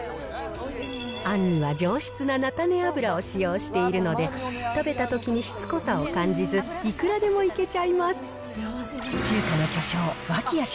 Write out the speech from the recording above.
あんには上質な菜種油を使用しているので、食べたときにしつこさを感じず、いくらでもいけちゃいます。